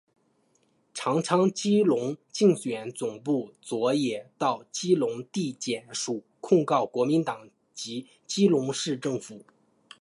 长昌基隆竞选总部昨也到基隆地检署控告国民党及基隆市政府。